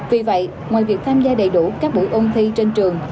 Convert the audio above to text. vì vậy ngoài việc tham gia đầy đủ các buổi ôn thi trên trường